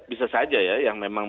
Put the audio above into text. bisa saja ya yang memang